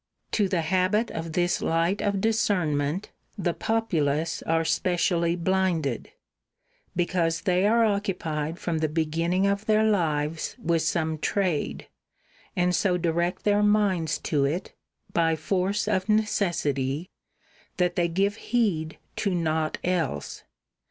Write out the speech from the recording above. To the habit of this light of discernment the populace are specially blinded, because they are occupied from the beginning of their lives with some trade, and so direct their minds to it, by force of necessity, that they give heed to nought else.